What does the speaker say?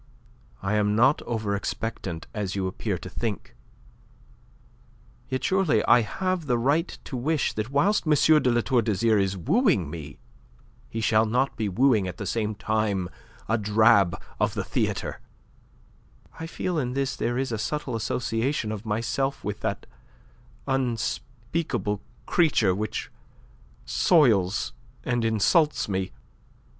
I am not over expectant as you appear to think; yet surely I have the right to expect that whilst M. de La Tour d'Azyr is wooing me, he shall not be wooing at the same time a drab of the theatre. I feel that in this there is a subtle association of myself with that unspeakable creature which soils and insults me.